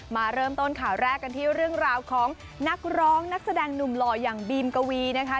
มาเริ่มต้นข่าวแรกกันที่เรื่องราวของนักร้องนักแสดงหนุ่มหล่ออย่างบีมกวีนะคะ